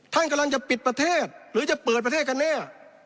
ท่านกำลังจะปิดประเทศหรือจะเปิดประเทศกันแน่